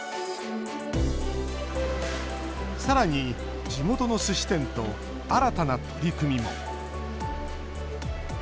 さらに、地元のすし店と新たな取り組みも。